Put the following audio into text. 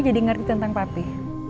aku mau dengerin tentang papi